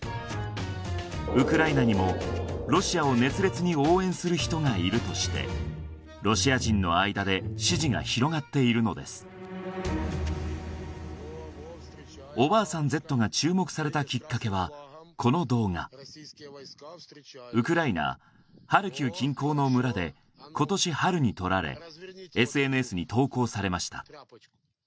ウクライナにもロシアを熱烈に応援する人がいるとしてロシア人の間で支持が広がっているのですおばあさんＺが注目されたきっかけはこの動画ウクライナハルキウ近郊の村で今年春に撮られＳＮＳに投稿されました